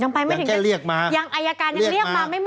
อย่างไปไม่ถึงนะอายการนั้นเรียกมาไม่หมดเลยค่ะ